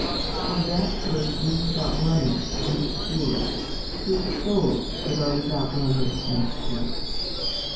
For [that church] being without blemish, and pure, seeks souls that are without blemish and pure.